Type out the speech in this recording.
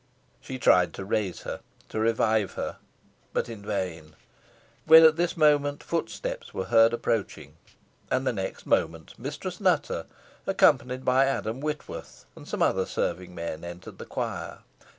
She tried to raise her to revive her, but in vain; when at this moment footsteps were heard approaching, and the next moment Mistress Nutter, accompanied by Adam Whitworth and some other serving men, entered the choir.